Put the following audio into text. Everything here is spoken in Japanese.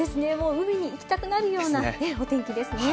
海に行きたくなるようなお天気ですね。